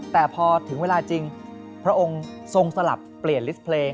แต่พอถึงเวลาจริงพระองค์ทรงสลับเปลี่ยนลิสต์เพลง